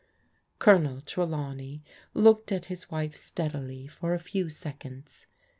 Colonel Trelawney looked at his wife steadily for a few seconds.